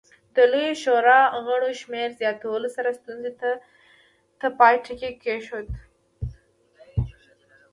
د لویې شورا غړو شمېر زیاتولو سره ستونزې ته پای ټکی کېښود.